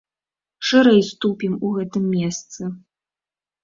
Шырэй ступім у гэтым месцы.